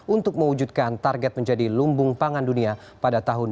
untuk mewujudkan target menjadi lumbung pangan dunia pada tahun dua ribu dua puluh